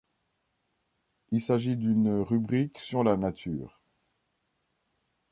Il s'agit d'une rubrique sur la nature.